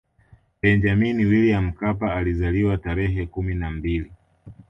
benjamini william mkapa alizaliwa tarehe kumi na mbili